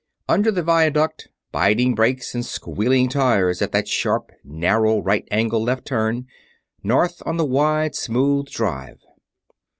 Under the viaduct biting brakes and squealing tires at that sharp, narrow, right angle left turn north on the wide, smooth Drive!